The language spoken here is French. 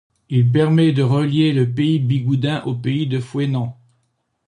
Il permet de relier le pays Bigouden et le pays de Fouesnant.